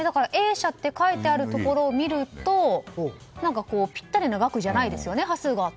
Ａ社って書いてあるところを見るとぴったりの額じゃないですよね。